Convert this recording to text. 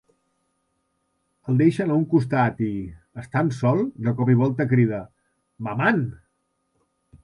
El deixen a un costat i, estant sol, de cop i volta crida: "Maman!".